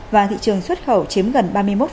và thị trường xuất khẩu chiếm gần ba mươi một